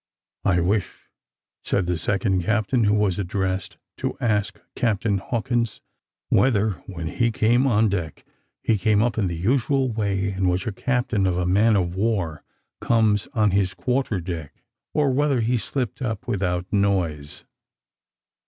"I wish," said the second captain who was addressed, "to ask Captain Hawkins, whether, when he came on deck, he came up in the usual way in which a captain of a man of war comes on his quarter deck; or whether he slipped up without noise?"